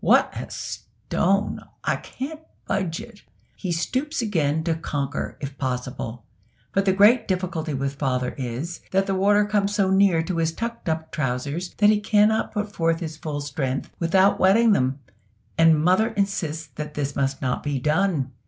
"What a stone! I can't budge it." He stoops again, to conquer, if possible; but the great difficulty with father is, that the water comes so near to his tucked up trousers that he cannot put forth his full strength without wetting them; and mother insists that this must not be done.